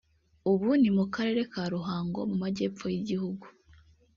ubu ni mu karere ka Ruhango mu majyepfo y’Igihugu